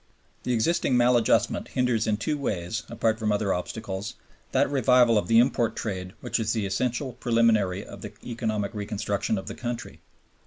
The existing maladjustment hinders in two ways (apart from other obstacles) that revival of the import trade which is the essential preliminary of the economic reconstruction of the country.